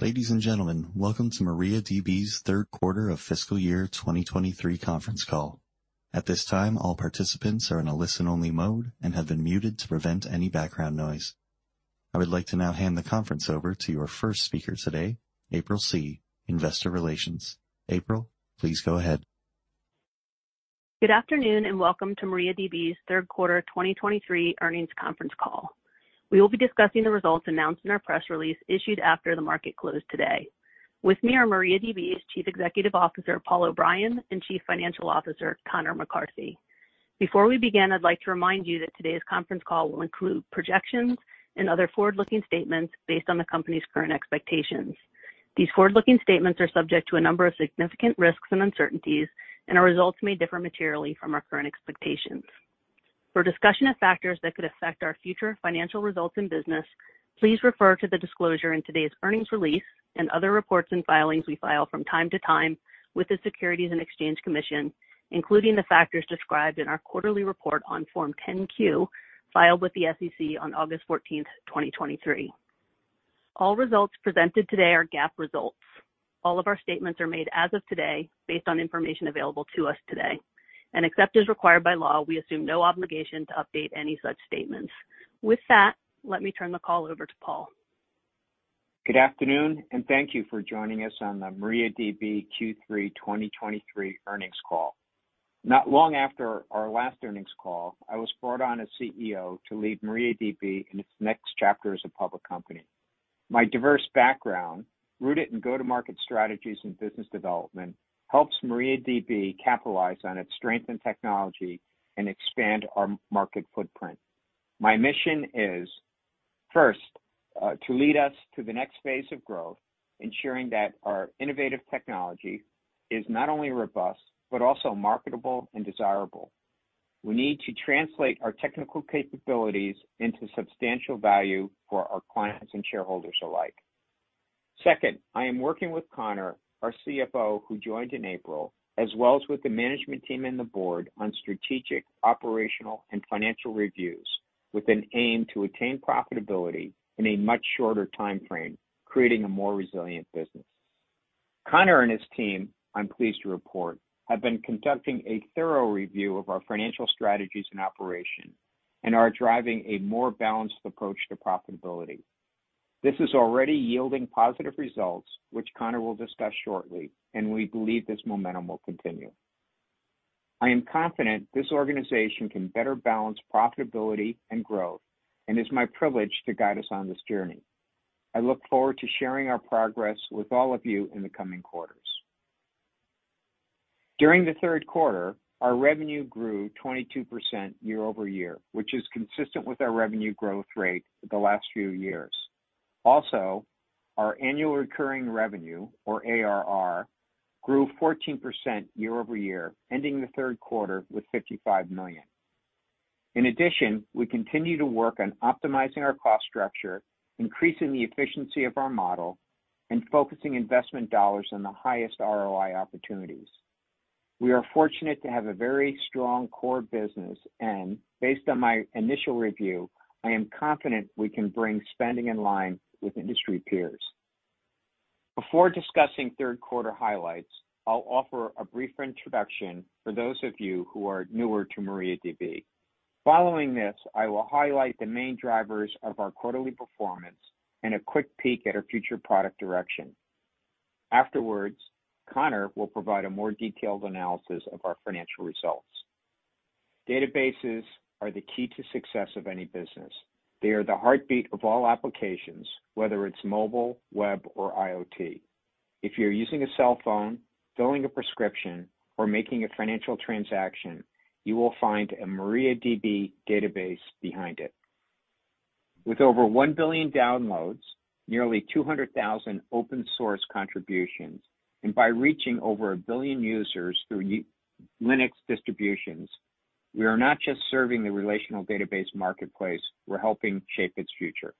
Ladies and gentlemen, welcome to MariaDB's third quarter of fiscal year 2023 conference call. At this time, all participants are in a listen-only mode and have been muted to prevent any background noise. I would like to now hand the conference over to your first speaker today, April Scee, Investor Relations. April, please go ahead. Good afternoon, and welcome to MariaDB's third quarter 2023 earnings conference call. We will be discussing the results announced in our press release, issued after the market closed today. With me are MariaDB's Chief Executive Officer, Paul O'Brien, and Chief Financial Officer, Conor McCarthy. Before we begin, I'd like to remind you that today's conference call will include projections and other forward-looking statements based on the company's current expectations. These forward-looking statements are subject to a number of significant risks and uncertainties, and our results may differ materially from our current expectations. For discussion of factors that could affect our future financial results in business, please refer to the disclosure in today's earnings release and other reports and filings we file from time to time with the Securities and Exchange Commission, including the factors described in our quarterly report on Form 10-Q, filed with the SEC on August 14th, 2023. All results presented today are GAAP results. All of our statements are made as of today, based on information available to us today, and except as required by law, we assume no obligation to update any such statements. With that, let me turn the call over to Paul. Good afternoon, thank you for joining us on the MariaDB Q3 2023 earnings call. Not long after our last earnings call, I was brought on as CEO to lead MariaDB in its next chapter as a public company. My diverse background, rooted in go-to-market strategies and business development, helps MariaDB capitalize on its strength and technology and expand our market footprint. My mission is, first, to lead us to the next phase of growth, ensuring that our innovative technology is not only robust, but also marketable and desirable. We need to translate our technical capabilities into substantial value for our clients and shareholders alike. Second, I am working with Conor, our CFO, who joined in April, as well as with the management team and the board on strategic, operational, and financial reviews, with an aim to attain profitability in a much shorter timeframe, creating a more resilient business. Conor and his team, I'm pleased to report, have been conducting a thorough review of our financial strategies and operation, and are driving a more balanced approach to profitability. This is already yielding positive results, which Conor will discuss shortly, and we believe this momentum will continue. I am confident this organization can better balance profitability and growth, and it's my privilege to guide us on this journey. I look forward to sharing our progress with all of you in the coming quarters. During the third quarter, our revenue grew 22% year-over-year, which is consistent with our revenue growth rate for the last few years. Also, our annual recurring revenue, or ARR, grew 14% year-over-year, ending the third quarter with $55 million. In addition, we continue to work on optimizing our cost structure, increasing the efficiency of our model, and focusing investment dollars on the highest ROI opportunities. We are fortunate to have a very strong core business, and based on my initial review, I am confident we can bring spending in line with industry peers. Before discussing third quarter highlights, I'll offer a brief introduction for those of you who are newer to MariaDB. Following this, I will highlight the main drivers of our quarterly performance and a quick peek at our future product direction. Afterwards, Conor will provide a more detailed analysis of our financial results. Databases are the key to success of any business. They are the heartbeat of all applications, whether it's mobile, web, or IoT. If you're using a cell phone, filling a prescription, or making a financial transaction, you will find a MariaDB database behind it. With over 1 billion downloads, nearly 200,000 open source contributions, and by reaching over 1 billion users through Linux distributions, we are not just serving the relational database marketplace, we're helping shape its future.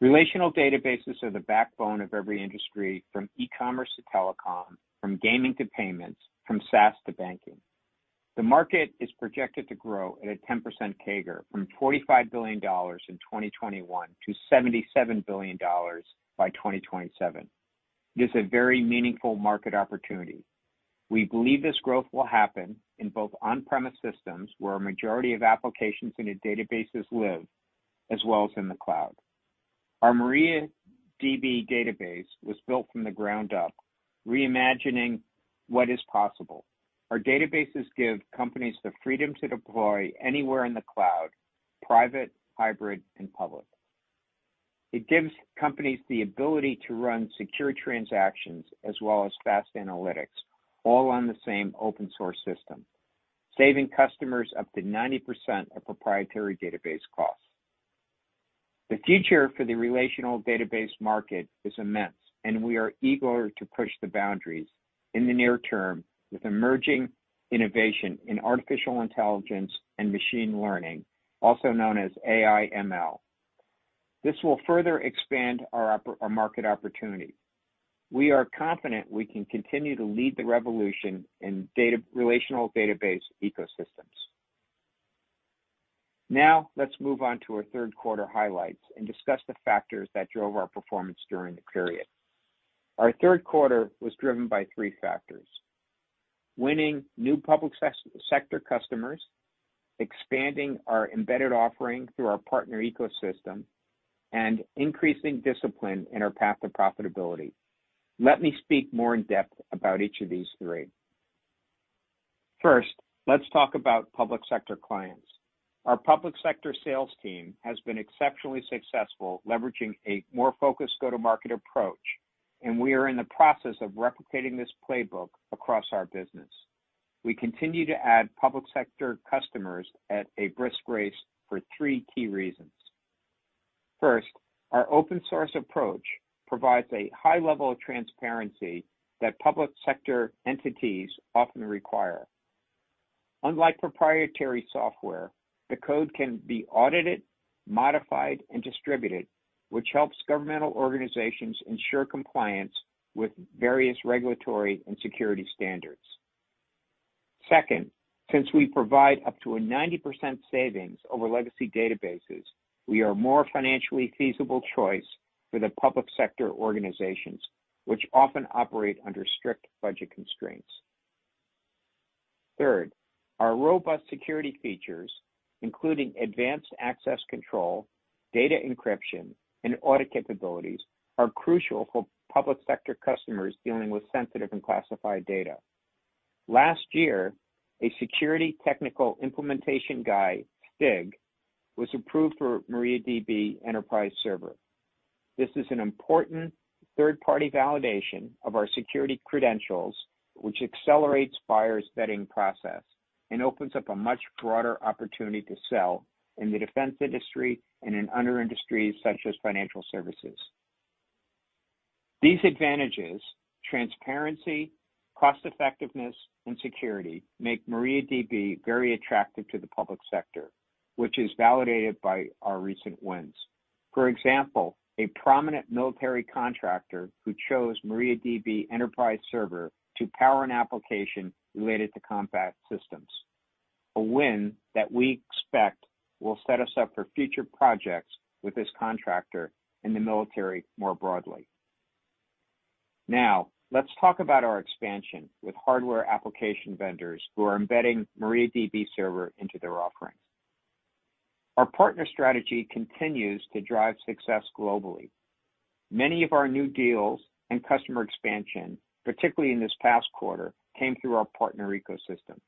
Relational databases are the backbone of every industry, from e-commerce to telecom, from gaming to payments, from SaaS to banking. The market is projected to grow at a 10% CAGR from $45 billion in 2021 to $77 billion by 2027. This is a very meaningful market opportunity. We believe this growth will happen in both on-premise systems, where a majority of applications in the databases live, as well as in the cloud. Our MariaDB database was built from the ground up, reimagining what is possible. Our databases give companies the freedom to deploy anywhere in the cloud: private, hybrid, and public. It gives companies the ability to run secure transactions as well as fast analytics, all on the same open-source system, saving customers up to 90% of proprietary database costs. The future for the relational database market is immense, we are eager to push the boundaries in the near term with emerging innovation in artificial intelligence and machine learning, also known as AI/ML. This will further expand our market opportunity. We are confident we can continue to lead the revolution in relational database ecosystems. Now, let's move on to our third quarter highlights and discuss the factors that drove our performance during the period. Our third quarter was driven by three factors: winning new public sector customers, expanding our embedded offering through our partner ecosystem, and increasing discipline in our path to profitability. Let me speak more in depth about each of these three. First, let's talk about public sector clients. Our public sector sales team has been exceptionally successful, leveraging a more focused go-to-market approach, and we are in the process of replicating this playbook across our business. We continue to add public sector customers at a brisk rate for three key reasons. First, our open source approach provides a high level of transparency that public sector entities often require. Unlike proprietary software, the code can be audited, modified, and distributed, which helps governmental organizations ensure compliance with various regulatory and security standards. Second, since we provide up to a 90% savings over legacy databases, we are a more financially feasible choice for the public sector organizations, which often operate under strict budget constraints. Third, our robust security features, including advanced access control, data encryption, and audit capabilities, are crucial for public sector customers dealing with sensitive and classified data. Last year, a Security Technical Implementation Guide, STIG, was approved for MariaDB Enterprise Server. This is an important third-party validation of our security credentials, which accelerates buyers' vetting process and opens up a much broader opportunity to sell in the defense industry and in other industries, such as financial services. These advantages, transparency, cost effectiveness, and security, make MariaDB very attractive to the public sector, which is validated by our recent wins. For example, a prominent military contractor who chose MariaDB Enterprise Server to power an application related to combat systems, a win that we expect will set us up for future projects with this contractor and the military more broadly. Now, let's talk about our expansion with hardware application vendors who are embedding MariaDB Server into their offerings. Our partner strategy continues to drive success globally. Many of our new deals and customer expansion, particularly in this past quarter, came through our partner ecosystem.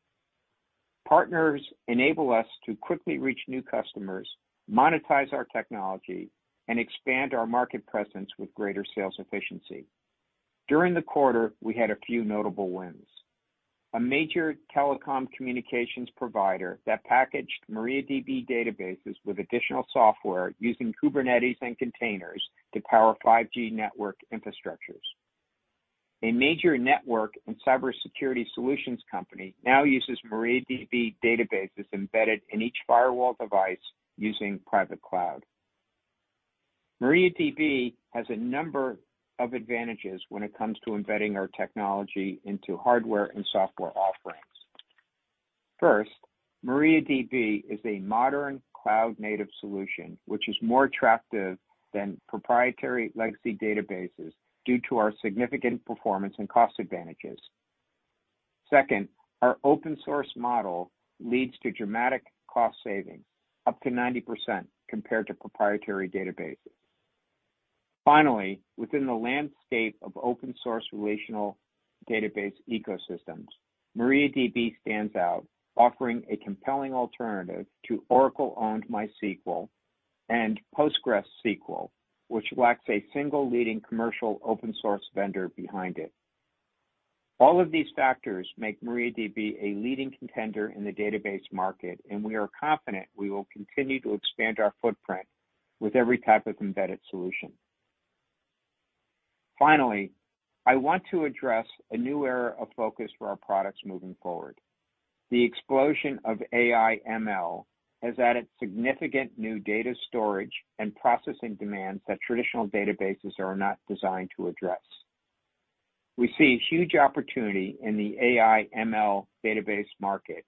Partners enable us to quickly reach new customers, monetize our technology, and expand our market presence with greater sales efficiency. During the quarter, we had a few notable wins. A major telecom communications provider that packaged MariaDB databases with additional software using Kubernetes and containers to power 5G network infrastructures. A major network and cybersecurity solutions company now uses MariaDB databases embedded in each firewall device using private cloud. MariaDB has a number of advantages when it comes to embedding our technology into hardware and software offerings. First, MariaDB is a modern cloud-native solution, which is more attractive than proprietary legacy databases due to our significant performance and cost advantages. Second, our open source model leads to dramatic cost savings, up to 90% compared to proprietary databases. Finally, within the landscape of open source relational database ecosystems, MariaDB stands out, offering a compelling alternative to Oracle-owned MySQL and PostgreSQL, which lacks a single leading commercial open source vendor behind it. All of these factors make MariaDB a leading contender in the database market, and we are confident we will continue to expand our footprint with every type of embedded solution. I want to address a new area of focus for our products moving forward. The explosion of AI/ML has added significant new data storage and processing demands that traditional databases are not designed to address. We see huge opportunity in the AI/ML database market,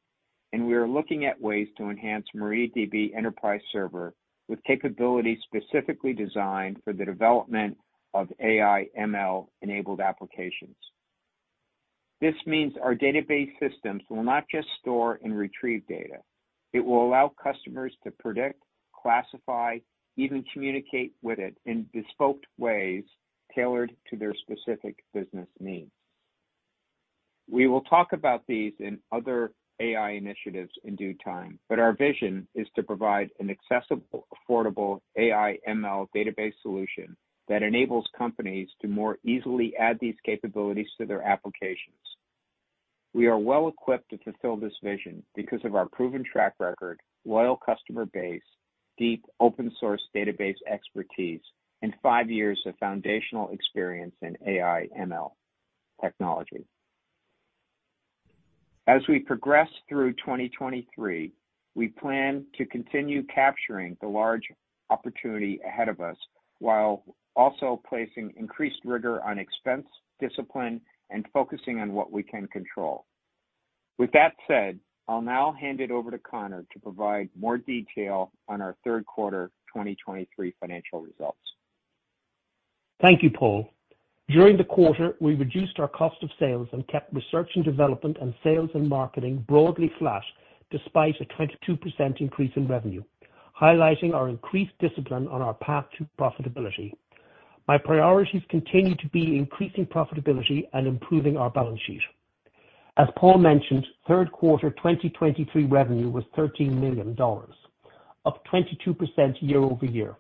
and we are looking at ways to enhance MariaDB Enterprise Server with capabilities specifically designed for the development of AI/ML-enabled applications. This means our database systems will not just store and retrieve data. It will allow customers to predict, classify, even communicate with it in bespoke ways tailored to their specific business needs. We will talk about these and other AI initiatives in due time, but our vision is to provide an accessible, affordable AI/ML database solution that enables companies to more easily add these capabilities to their applications. We are well equipped to fulfill this vision because of our proven track record, loyal customer base, deep open source database expertise, and five years of foundational experience in AI/ML technology. As we progress through 2023, we plan to continue capturing the large opportunity ahead of us, while also placing increased rigor on expense, discipline, and focusing on what we can control. With that said, I'll now hand it over to Conor to provide more detail on our 3rd quarter 2023 financial results. Thank you, Paul. During the quarter, we reduced our cost of sales and kept research and development and sales and marketing broadly flat, despite a 22% increase in revenue, highlighting our increased discipline on our path to profitability. My priorities continue to be increasing profitability and improving our balance sheet. As Paul mentioned, third quarter 2023 revenue was $13 million, up 22% year-over-year.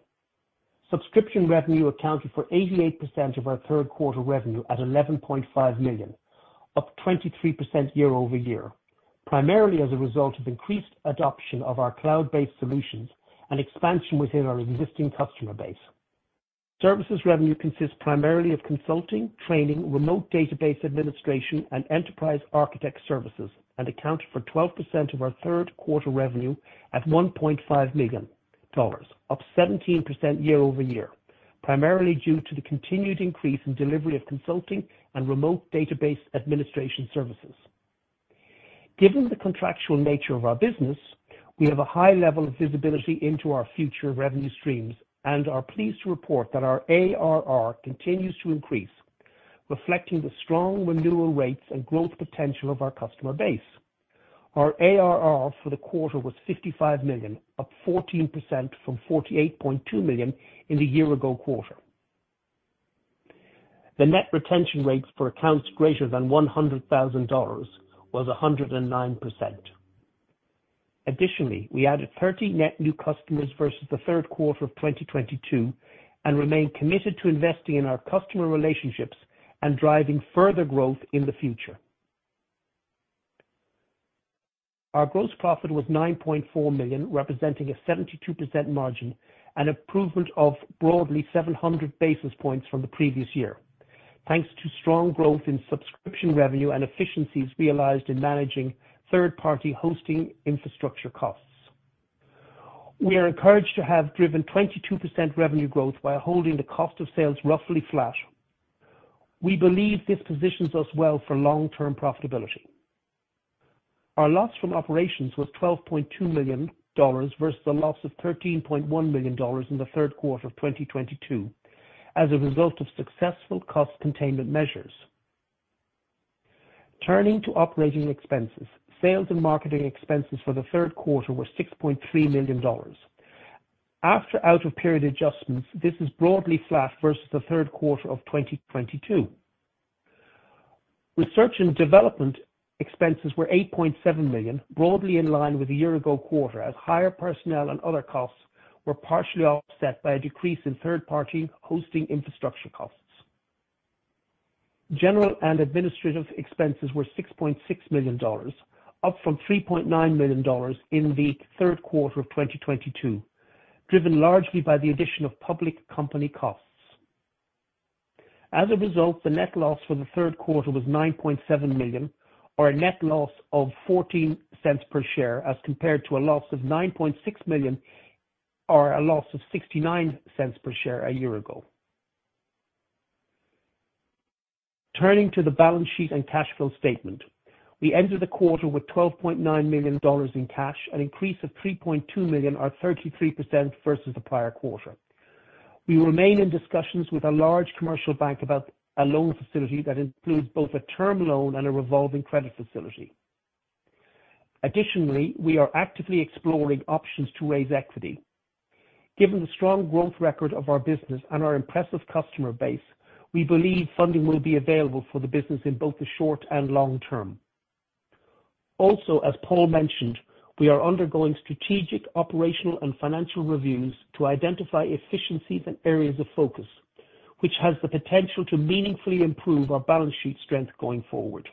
Subscription revenue accounted for 88% of our third quarter revenue at $11.5 million, up 23% year-over-year, primarily as a result of increased adoption of our cloud-based solutions and expansion within our existing customer base. Services revenue consists primarily of consulting, training, remote database administration, and enterprise architect services, accounted for 12% of our third quarter revenue at $1.5 million, up 17% year-over-year, primarily due to the continued increase in delivery of consulting and remote database administration services. Given the contractual nature of our business, we have a high level of visibility into our future revenue streams and are pleased to report that our ARR continues to increase, reflecting the strong renewal rates and growth potential of our customer base. Our ARR for the quarter was $55 million, up 14% from $48.2 million in the year-ago quarter. The net retention rates for accounts greater than $100,000 was 109%. Additionally, we added 30 net new customers versus the third quarter of 2022, and remain committed to investing in our customer relationships and driving further growth in the future. Our gross profit was $9.4 million, representing a 72% margin, an improvement of broadly 700 basis points from the previous year, thanks to strong growth in subscription revenue and efficiencies realized in managing third-party hosting infrastructure costs. We are encouraged to have driven 22% revenue growth by holding the cost of sales roughly flat. We believe this positions us well for long-term profitability. Our loss from operations was $12.2 million versus a loss of $13.1 million in the third quarter of 2022, as a result of successful cost containment measures. Turning to operating expenses. Sales and marketing expenses for the third quarter were $6.3 million. After out of period adjustments, this is broadly flat versus the third quarter of 2022. Research and development expenses were $8.7 million, broadly in line with the year-ago quarter, as higher personnel and other costs were partially offset by a decrease in third-party hosting infrastructure costs. General and administrative expenses were $6.6 million, up from $3.9 million in the third quarter of 2022, driven largely by the addition of public company costs. As a result, the net loss for the third quarter was $9.7 million, or a net loss of $0.14 per share, as compared to a loss of $9.6 million, or a loss of $0.69 per share a year ago. Turning to the balance sheet and cash flow statement. We ended the quarter with $12.9 million in cash, an increase of $3.2 million, or 33% versus the prior quarter. We remain in discussions with a large commercial bank about a loan facility that includes both a term loan and a revolving credit facility. Additionally, we are actively exploring options to raise equity. Given the strong growth record of our business and our impressive customer base, we believe funding will be available for the business in both the short and long term. Also, as Paul mentioned, we are undergoing strategic, operational, and financial reviews to identify efficiencies and areas of focus, which has the potential to meaningfully improve our balance sheet strength going forward.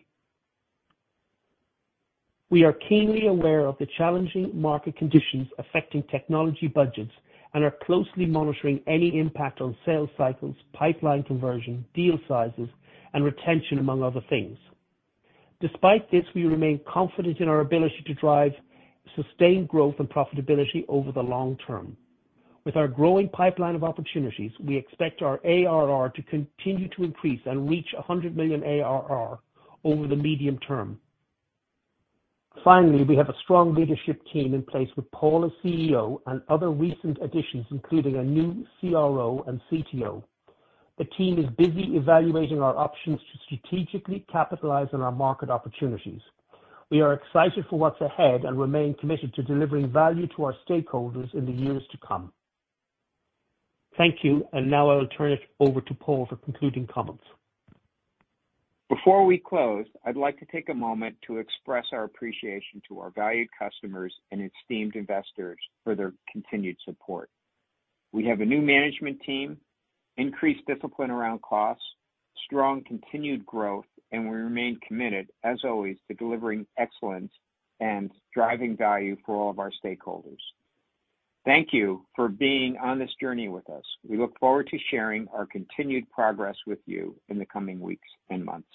We are keenly aware of the challenging market conditions affecting technology budgets and are closely monitoring any impact on sales cycles, pipeline conversion, deal sizes, and retention, among other things. Despite this, we remain confident in our ability to drive sustained growth and profitability over the long term. With our growing pipeline of opportunities, we expect our ARR to continue to increase and reach $100 million ARR over the medium term. We have a strong leadership team in place, with Paul as CEO and other recent additions, including a new CRO and CTO. The team is busy evaluating our options to strategically capitalize on our market opportunities. We are excited for what's ahead and remain committed to delivering value to our stakeholders in the years to come. Thank you, and now I'll turn it over to Paul for concluding comments. Before we close, I'd like to take a moment to express our appreciation to our valued customers and esteemed investors for their continued support. We have a new management team, increased discipline around costs, strong continued growth, and we remain committed, as always, to delivering excellence and driving value for all of our stakeholders. Thank you for being on this journey with us. We look forward to sharing our continued progress with you in the coming weeks and months.